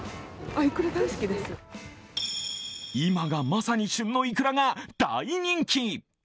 今がまさに旬のイクラが大人気。